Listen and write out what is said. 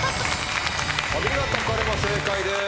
お見事これも正解です。